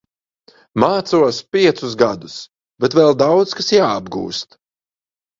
Mācos piecus gadus, bet vēl daudz kas jāapgūst.